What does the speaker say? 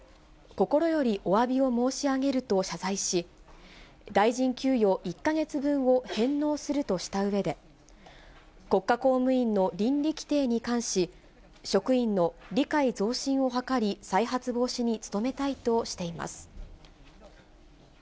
心よりおわびを申し上げると謝罪し、大臣給与１か月分を返納するとしたうえで、国家公務員の倫理規定に関し、職員の理解増進を図り、再発防止に努めたいとしています。